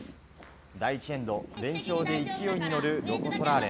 第１エンド、連勝で勢いに乗るロコ・ソラーレ。